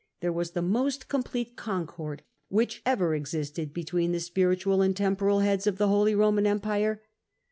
there was the most com plete concord which ever existed between the spiritual and temporal heads of the Holy Roman Empire.